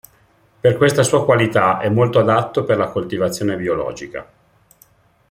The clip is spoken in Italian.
Per questa sua qualità è molto adatto per la coltivazione biologica.